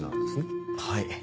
はい。